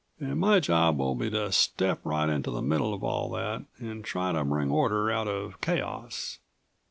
"And my job will be to step right into the middle of all that, and try to bring order out of chaos."